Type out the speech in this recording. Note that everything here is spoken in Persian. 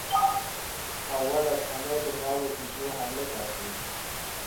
اول از همه به ناو پیشرو حمله کردیم.